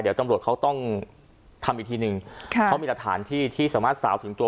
เดี๋ยวตำรวจเขาต้องทำอีกทีหนึ่งค่ะเขามีหลักฐานที่ที่สามารถสาวถึงตัว